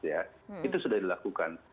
itu sudah dilakukan